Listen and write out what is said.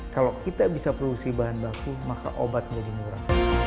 kalau kita bisa produksi bahan baku maka obat jadi murah